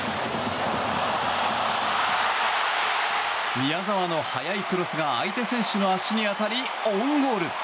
宮澤の速いクロスが相手選手の足に当たりオウンゴール。